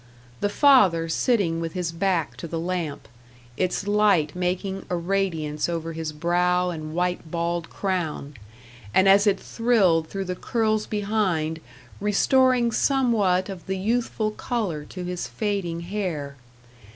The father sitting with his back to the lamp its light making a radiance over his brow and white bald crown, and as it thrilled through the curls behind, restoring somewhat of the youthful colour to his fading hair.